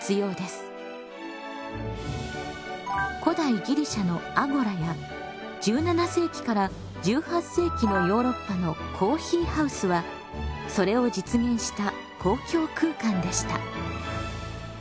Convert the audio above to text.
古代ギリシャのアゴラや１７世紀から１８世紀のヨーロッパのコーヒーハウスはそれを実現した公共空間でした。